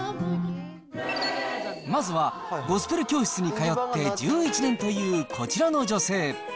まずは、ゴスペル教室に通って１１年というこちらの女性。